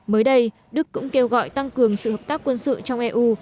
mới đây đức cũng kêu gọi tăng cường sự hợp tác quân sự trong eu